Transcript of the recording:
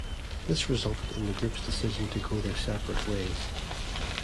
This resulted in the group's decision to go their separate ways.